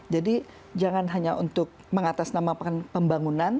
jadi jangan hanya untuk mengatas nama pembangunan